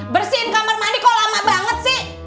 bersihin kamar mandi kok lama banget sih